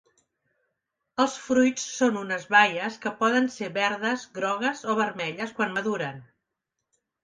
Els fruits són unes baies que poden ser verdes, grogues o vermelles quan maduren.